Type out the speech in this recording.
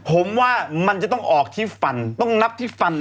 ผมว่ามันจะต้องออกที่ฟันต้องนับที่ฟัน